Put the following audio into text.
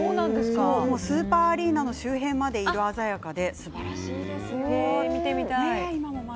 スーパーアリーナの周辺まで色鮮やかで。